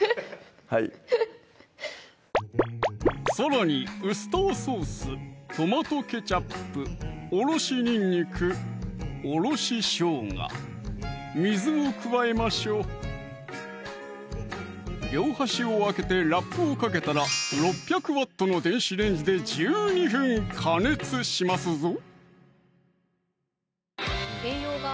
はいさらにウスターソース・トマトケチャップおろしにんにく・おろししょうが水を加えましょう両端を開けてラップをかけたら６００Ｗの電子レンジで１２分加熱しますぞ